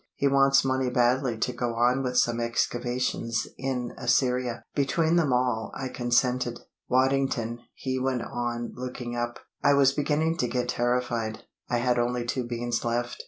"He wants money badly to go on with some excavations in Assyria. Between them all, I consented. Waddington," he went on, looking up, "I was beginning to get terrified. I had only two beans left.